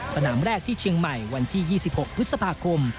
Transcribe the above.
สนามแรกที่เชียงใหม่วันที่๒๖พฤษภาคม